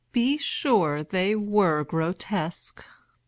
Be sure they were grotesque.